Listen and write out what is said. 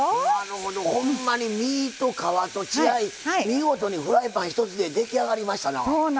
ほんまに身と皮と血合い見事にフライパン一つでできあがりましたな。